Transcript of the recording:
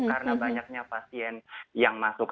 karena banyaknya pasien yang masuk